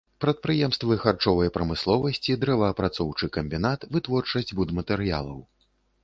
Прадпрыемствы харчовай прамысловасці, дрэваапрацоўчы камбінат, вытворчасць будматэрыялаў.